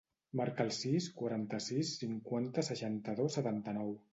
Marca el sis, quaranta-sis, cinquanta, seixanta-dos, setanta-nou.